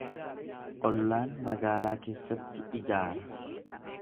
Ollaan magaalaa keessatti ijaara.